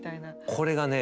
これがね